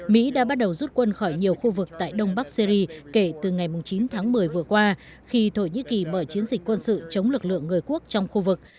mỹ đã bắt đầu rút quân khỏi nhiều khu vực tại đông bắc syri kể từ ngày chín tháng một mươi vừa qua khi thổ nhĩ kỳ mở chiến dịch quân sự chống lực lượng người quốc trong khu vực